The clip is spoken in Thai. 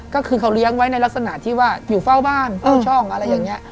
ก็คือเขาเลี้ยงไว้ในลักษณะที่ว่าอยู่เฝ้าบ้านเฝ้าช่องอะไรอย่างนี้